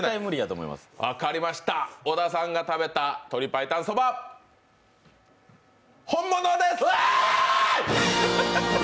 分かりました、小田さんが食べた鶏白湯Ｓｏｂａ、本物です！